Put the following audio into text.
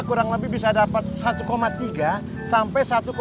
kurang lebih bisa dapat satu tiga sampai satu lima